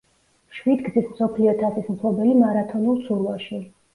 შვიდგზის მსოფლიო თასის მფლობელი მარათონულ ცურვაში.